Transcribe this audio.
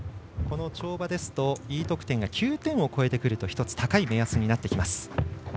跳馬ですとＥ得点が９点を超えてくると１つ高い目安になってきます。